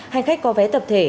hành khách có vé tập thể